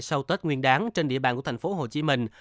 sau tết nguyên đáng trên địa bàn của thành phố hồ chí minh